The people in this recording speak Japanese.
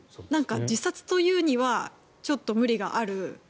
自殺というにはちょっと無理がある。